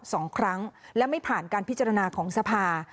สองครั้งและไม่ผ่านการพิจารณาของสภา